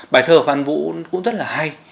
bài thơ của phan vũ cũng rất là hay